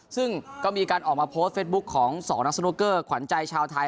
ซึ่งก็มีการออกมาโพสต์เฟสบุ๊คของ๒นักสนุกเกอร์ขวัญใจชาวไทย